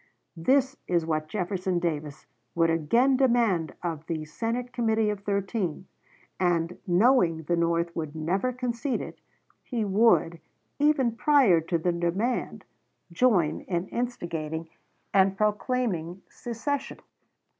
This is what Jefferson Davis would again demand of the Senate Committee of Thirteen; and, knowing the North would never concede it, he would, even prior to the demand, join in instigating and proclaiming secession.